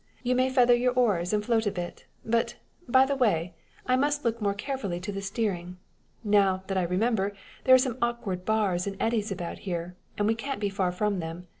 You may feather your oars, and float a bit. But, by the way, I must look more carefully to the steering. Now, that I remember, there are some awkward bars and eddies about here, and we can't be far from them.